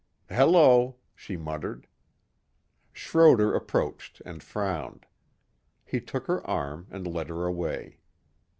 "Hello," she muttered. Schroder approached and frowned. He took her arm and led her away.